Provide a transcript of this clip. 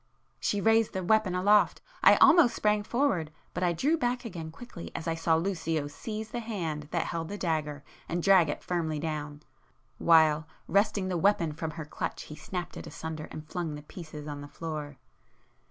She raised the weapon aloft,—I almost sprang forward—but I drew back again quickly as I saw Lucio seize the hand that held the dagger and drag it firmly down,—while, wresting the weapon from her clutch he snapped it asunder and flung the pieces on the floor.